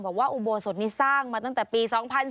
บอกว่าอุโบสถนี้สร้างมาตั้งแต่ปี๒๔๖๑